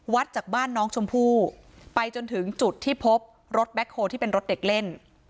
จากบ้านน้องชมพู่ไปจนถึงจุดที่พบรถแบ็คโฮลที่เป็นรถเด็กเล่น